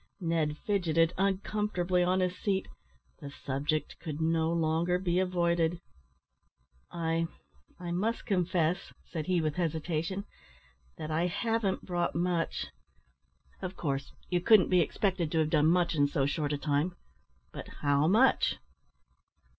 Ned fidgeted uncomfortably on his seat the subject could no longer be avoided. "I I must confess," said he, with hesitation, "that I haven't brought much." "Of course, you couldn't be expected to have done much in so short a time; but how much?"